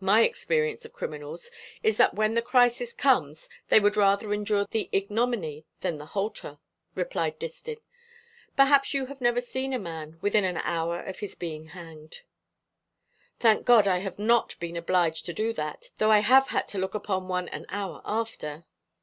"My experience of criminals is that when the crisis comes they would rather endure the ignominy than the halter," replied Distin. "Perhaps you have never seen a man within an hour of his being hanged?" "Thank God I have not been obliged to do that, though I have had to look upon one an hour after."